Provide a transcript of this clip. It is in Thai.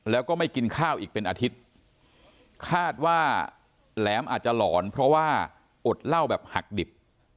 แล้วก็ไม่กินข้าวอีกเป็นอาทิตย์คาดว่าแหลมอาจจะหลอนเพราะว่าอดเหล้าแบบหักดิบ